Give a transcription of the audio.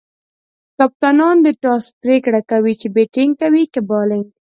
کپتانان د ټاس پرېکړه کوي، چي بيټینګ کوي؛ که بالینګ.